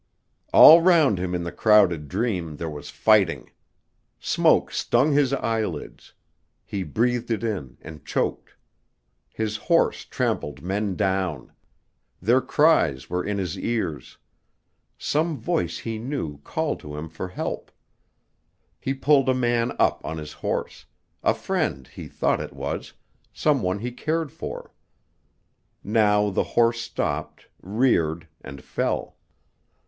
All round him in the crowded dream there was fighting. Smoke stung his eyelids. He breathed it in, and choked. His horse trampled men down. Their cries were in his ears. Some voice he knew called to him for help. He pulled a man up on his horse; a friend, he thought it was, some one he cared for. Now the horse stopped, reared, and fell.